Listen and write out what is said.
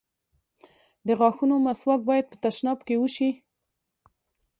د غاښونو مسواک بايد په تشناب کې وشي.